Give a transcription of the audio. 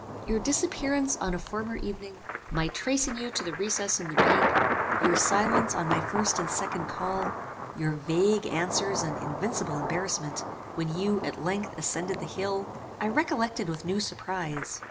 Your disappearance on a former evening, my tracing you to the recess in the bank, your silence on my first and second call, your vague answers and invincible embarrassment, when you, at length, ascended the hill, I recollected with new surprize.